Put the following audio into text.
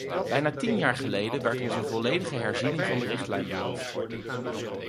Bijna tien jaar geleden werd ons een volledige herziening van de richtlijn beloofd.